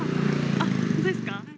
あっ、本当ですか。